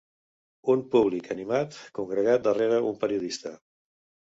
Un públic animat congregat darrere un periodista.